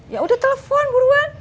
ya udah telepon buruan